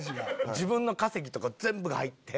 自分の稼ぎとか全部が入って。